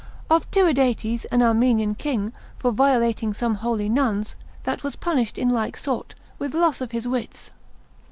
Of Tyridates an Armenian king, for violating some holy nuns, that was punished in like sort, with loss of his wits.